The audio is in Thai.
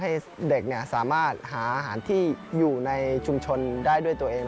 ให้เด็กสามารถหาอาหารที่อยู่ในชุมชนได้ด้วยตัวเอง